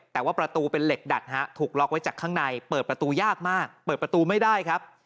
แต่ว่าประตูเป็นเหล็กดัดฮะถูกล็อกไว้จากข้างในเปิดประตูยากมากเปิดประตูไม่ได้ครับ